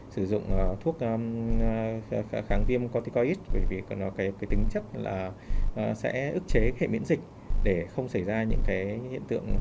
sử dụng thuốc kháng viêm corticoid bởi vì cái tính chất là sẽ ức chế hệ miễn dịch để không xảy ra những cái hiện tượng